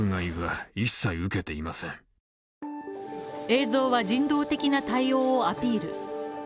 映像は人道的な対応をアピール。